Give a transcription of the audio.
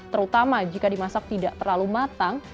terutama jika dimasak tidak terlalu matang